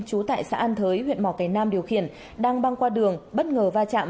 chú tại xã an thới huyện mò cái nam điều khiển đang băng qua đường bất ngờ va chạm